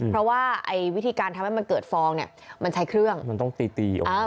เพราะว่าไอ้วิธีการทำให้มันเกิดฟองเนี่ยมันใช้เครื่องมันต้องตีตีออก